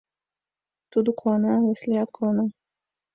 Тудо куана — Васлият куана.